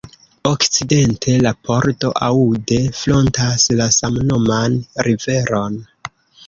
Okcidente, la pordo Aude frontas la samnoman riveron.